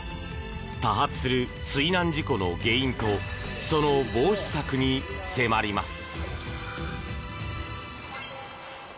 多発する水難事故の原因とその防止策に迫ります。